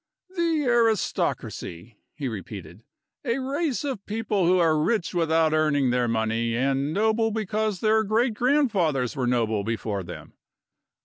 "The aristocracy!" he repeated. "A race of people who are rich without earning their money, and noble because their great grandfathers were noble before them.